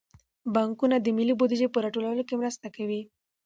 بانکونه د ملي بودیجې په راټولولو کې مرسته کوي.